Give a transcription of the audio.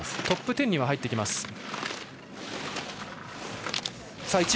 トップ１０には入ってきます。